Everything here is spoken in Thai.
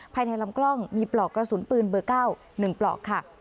ภายในลำกล้องมีปลอกกระสุนปืนเบอร์๙๑ปลอกค่ะ